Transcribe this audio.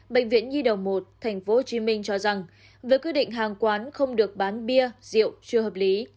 bệnh viện nhi đồng một tp hcm cho rằng với quy định hàng quán không được bán bia rượu chưa hợp lý